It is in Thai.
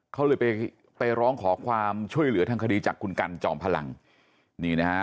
เขาเลยไปไปร้องขอความช่วยเหลือทางคดีจากคุณกันจอมพลังนี่นะฮะ